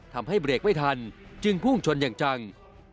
ทำให้เบรกไม่ทันจึงพุ่งชนอย่างจัง